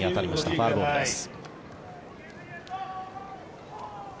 ファウルボールです。